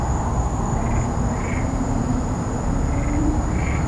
ځان د روسانو لمنې ته وغورځوي.